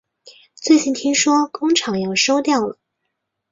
最近听说工厂要收掉了